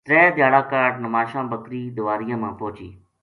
ترے دھیاڑاں کاہڈ نماشاں بکری دواریاں ما پوہچی